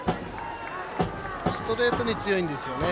ストレートに強いんですよね。